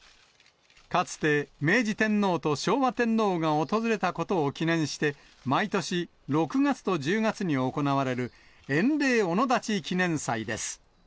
かつて明治天皇と昭和天皇が訪れたことを記念して、毎年６月と１０月に行われる、塩嶺御野立記念祭です。